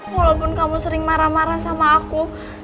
walaupun kamu sering marah marah sama aku